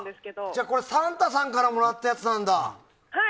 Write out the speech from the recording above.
じゃあ、サンタさんからもらったやつなんだ。